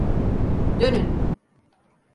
Dönün!